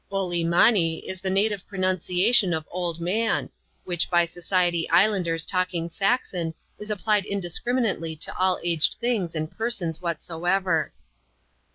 '^Olee manee " is the native pronunciation of " old man,'' which, by Society Islanders talking Saxon, is applied indiscriminately to all aged things and persons whatsoever.